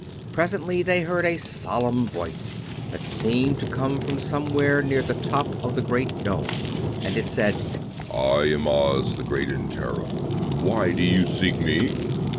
Presently they heard a solemn Voice, that seemed to come from somewhere near the top of the great dome, and it said: "I am Oz, the Great and Terrible. Why do you seek me?"